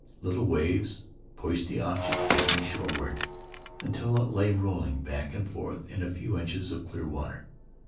Little waves pushed the object gently shore ward until it lay, rolling back and forth in a few inches of clear water.